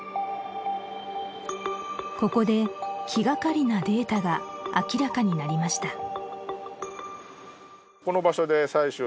ここで気がかりなデータが明らかになりました